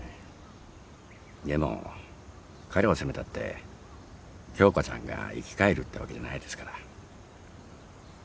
でも彼を責めたって鏡花ちゃんが生き返るってわけじゃないですから。